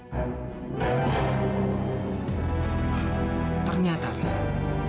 ternyata riz kamila saat ini sedang mengalami gejala hipertensi